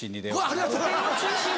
ありがとうございます。